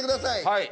はい。